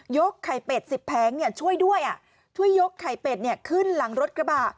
ไข่เป็ดสิบแผงช่วยด้วยช่วยยกไข่เป็ดขึ้นหลังรถกระบะ